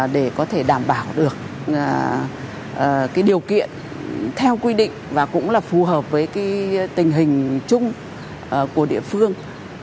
để có thể đảm bảo được điều kiện theo quy định và cũng là phù hợp với tình hình chung của địa phương